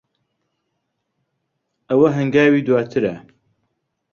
ئەوە ھەنگاوی دواترە.